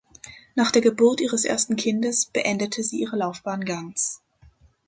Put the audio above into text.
Nach der Geburt ihres ersten Kindes beendete sie ihre Laufbahn ganz.